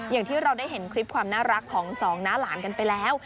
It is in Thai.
อย่างที่เราได้เห็นคลิปความน่ารักของสองน้าหลานกันไปแล้ว